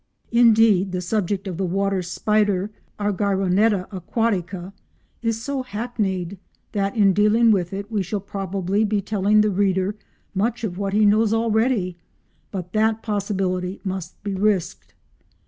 Indeed the subject of the water spider, Argyroneta aquatica, is so hackneyed that in dealing with it we shall probably be telling the reader much of what he knows already, but that possibility must be risked.